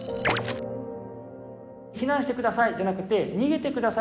「避難してください」じゃなくて「にげてください。